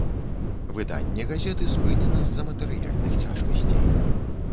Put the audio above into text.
Выданне газеты спынена з-за матэрыяльных цяжкасцей.